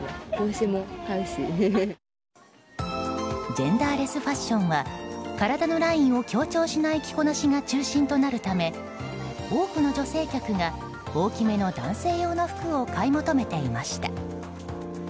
ジェンダーレスファッションは体のラインを強調しない着こなしが中心となるため多くの女性客が、大きめの男性用の服を買い求めていました。